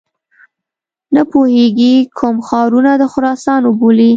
نه پوهیږي کوم ښارونه د خراسان وبولي.